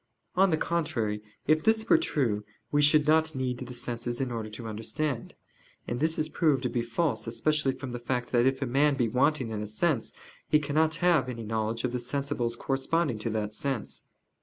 On the contrary, If this were true we should not need the senses in order to understand. And this is proved to be false especially from the fact that if a man be wanting in a sense, he cannot have any knowledge of the sensibles corresponding to that sense.